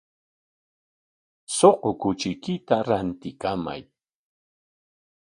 Suqu kuchiykita rantikamay.